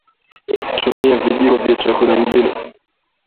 Tumia vijiko vya chakula mbili